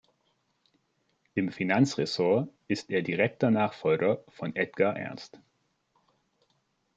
Im Finanzressort ist er direkter Nachfolger von Edgar Ernst.